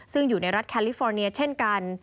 ซึ่งอยู่ในรัฐแคลิฟอร์เนียเช่นกัน